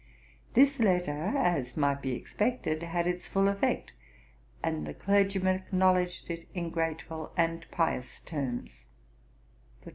This letter, as might be expected, had its full effect, and the clergyman acknowledged it in grateful and pious terms.